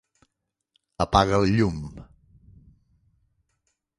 Apaga el llum